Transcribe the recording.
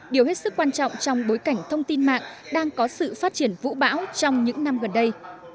điều hết sức quan trọng trong bối cảnh thông tin mạng đang có sự phát triển vũ bão trong những năm gần đây